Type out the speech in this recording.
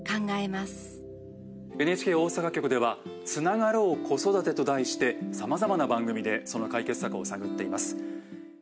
ＮＨＫ大阪局では「＃つながろう子育て」と題してさまざまな番組でその解決策を探っています。